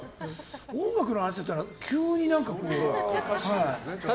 音楽の話になったら急に。